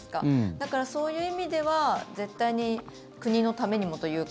だから、そういう意味では絶対に国のためにもというか。